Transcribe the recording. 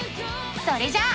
それじゃあ。